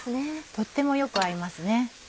とってもよく合いますね。